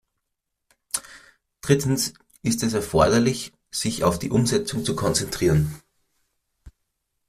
Drittens ist es erforderlich, sich auf die Umsetzung zu konzentrieren.